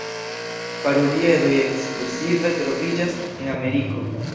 Paruliedoj ekskluzive troviĝas en Ameriko.